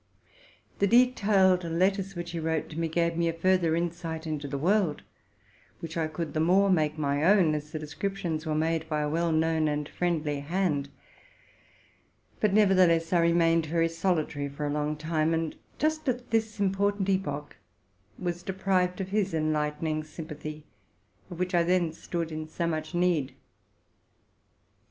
The detailed letters which he wrote to me gave me a farther insight into the world, which I could the more make my own as the descrip tions were made by a well known and friendly hand. But nevertheless I remained very solitary for a long time, and was deprived just at this important epoch of his enlightening sympathy, of which I then stood in so much need.